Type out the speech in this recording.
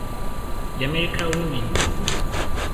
Jamaica Women